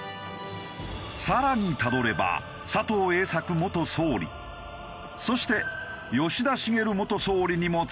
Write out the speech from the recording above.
更にたどれば佐藤栄作元総理そして吉田茂元総理にもつながるのだ。